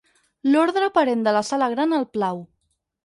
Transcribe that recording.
L'ordre aparent de la sala gran el plau.